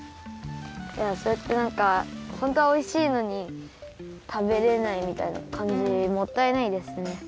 いやそうやってなんかほんとはおいしいのにたべれないみたいなかんじもったいないですね。